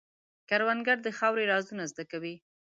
کروندګر د خاورې رازونه زده کوي